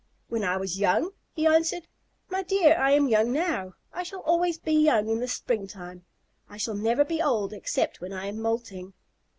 "When I was young?" he answered. "My dear, I am young now. I shall always be young in the springtime. I shall never be old except when I am moulting."